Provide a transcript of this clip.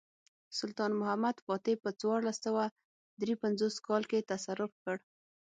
سلطان محمد فاتح په څوارلس سوه درې پنځوس کال کې تصرف کړ.